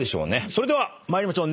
それでは参りましょう。